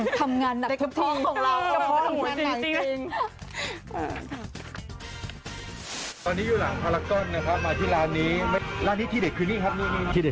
ทำงานหนักทุกที